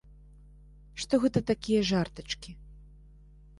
Што гэта такія жартачкі.